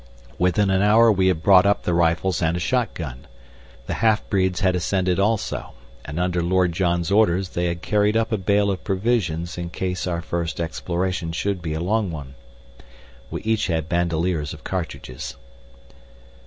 Within an hour we had brought up the rifles and a shot gun. The half breeds had ascended also, and under Lord John's orders they had carried up a bale of provisions in case our first exploration should be a long one. We had each bandoliers of cartridges.